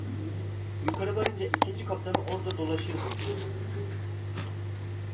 Yukarı varınca ikinci kaptanı orada dolaşır buldu.